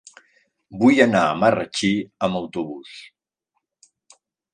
Vull anar a Marratxí amb autobús.